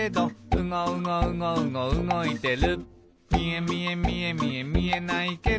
「うごうごうごうごうごいてる」